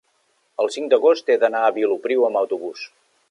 el cinc d'agost he d'anar a Vilopriu amb autobús.